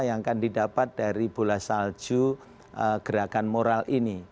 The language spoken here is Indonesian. yang akan didapat dari bola salju gerakan moral ini